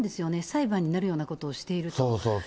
裁判になるようなことをしているそうそうそう。